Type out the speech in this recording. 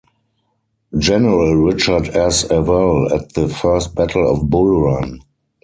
General Richard S. Ewell at the First Battle of Bull Run.